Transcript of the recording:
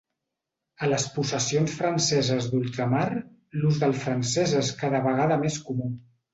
A les possessions franceses d'ultramar, l'ús del francès és cada vegada més comú.